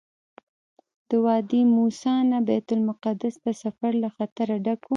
د وادي موسی نه بیت المقدس ته سفر له خطره ډک وو.